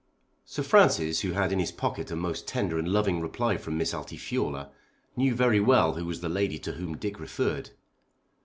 Sir Francis who had in his pocket a most tender and loving reply from Miss Altifiorla knew very well who was the lady to whom Dick referred.